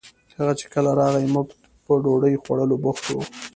هغه چې کله راغئ موږ په ډوډۍ خوړولو بوخت وو